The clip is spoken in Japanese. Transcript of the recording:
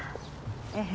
ええ。